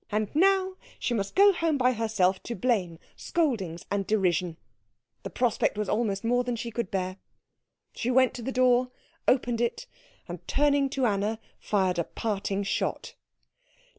And now she must go home by herself to blame, scoldings, and derision. The prospect was almost more than she could bear. She went to the door, opened it, and turning to Anna fired a parting shot.